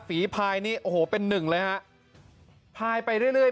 ฝีภายนี้โอ้โหเป็นหนึ่งเลยฮะภายไปเรื่อย